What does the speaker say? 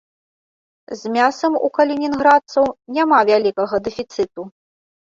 З мясам у калінінградцаў няма вялікага дэфіцыту.